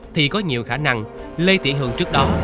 thì có nhiều khả năng lê tiễn hường trước đó